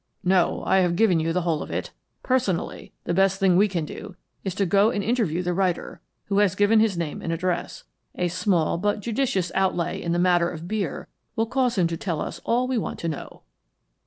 "No, I have given you the whole of it. Personally, the best thing we can do is to go and interview the writer, who has given his name and address. A small, but judicious, outlay in the matter of beer will cause him to tell us all we want to know."